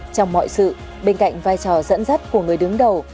trong mọi sự bên cạnh vai trò dẫn dắt của người đứng đầu